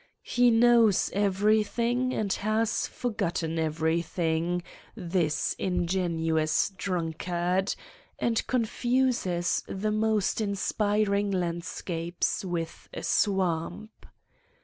He knows everything and has forgotten everything, this ingenious drunkard, and confuses the most inspiring landscapes with a swamp.